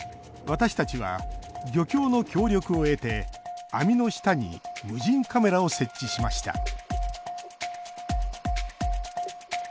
私たちは漁協の協力を得て網の下に無人カメラを設置しました。